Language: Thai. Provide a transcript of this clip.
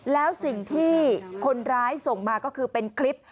แล้วสิ่งที่คนร้ายส่งมาก็คือเป็นคลิป